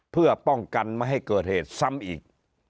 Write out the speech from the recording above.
เพื่อป้องกันไม่ให้เกิดเหตุซ้ำอีก